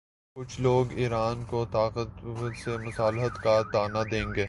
کچھ لوگ ایران کو طاغوت سے مصالحت کا طعنہ دیں گے۔